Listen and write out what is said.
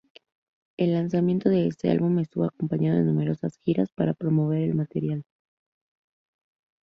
El lanzamiento de este álbum estuvo acompañado de numerosas giras, para promover el material.